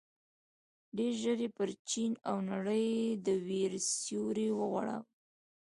ډېر ژر یې پر چين او نړۍ د وېر سيوری وغوړاوه.